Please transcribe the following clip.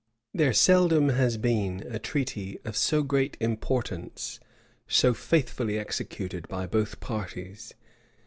There seldom has been a treaty of so great importance so faithfully executed by both parties.